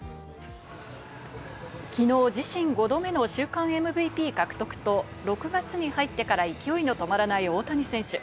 きのう自身５度目の週間ＭＶＰ獲得と６月に入ってから勢いの止まらない大谷選手。